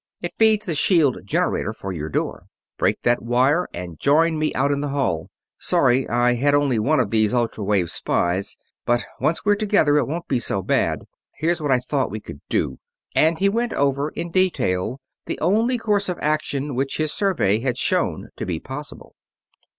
It feeds the shield generator of your door. Break that wire and join me out in the hall. Sorry I had only one of these ultra wave spies, but once we're together it won't be so bad. Here's what I thought we could do," and he went over in detail the only course of action which his survey had shown to be possible.